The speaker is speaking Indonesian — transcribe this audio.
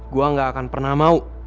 gue gak akan pernah mau